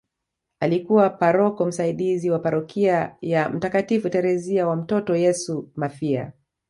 Alikuwa paroko msaidizi wa parokia ya mtakatifu Theresia wa mtoto Yesu Mafia